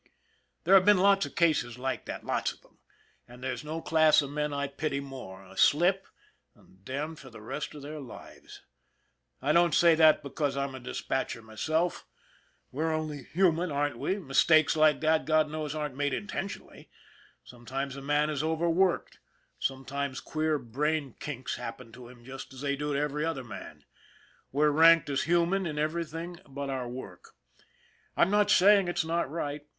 There have been lots of cases like that, lots of them, and there's no class of men I pity more a slip, and damned for the rest of their lives ! I don't say that because I'm a dispatcher myself. We're only human, aren't we? Mistakes like that, God knows, aren't made intentionally. Sometimes a man is over worked, sometimes queer brain kinks happen to him just as they do to every other man. We're ranked as human in everything but our work. I'm not saying it's not right.